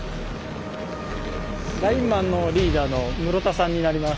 ラインマンのリーダーの室田さんになります。